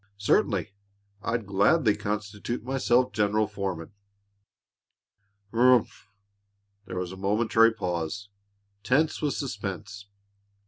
"Certainly! I'd gladly constitute myself general foreman." "Humph!" There was a momentary pause, tense with suspense.